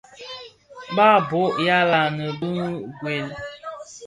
Bàb bôg yàa lanën bi ngüel.